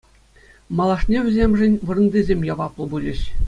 Малашне вӗсемшӗн вырӑнтисем яваплӑ пулӗҫ.